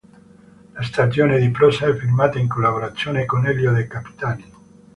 La stagione di prosa è firmata in collaborazione con Elio De Capitani.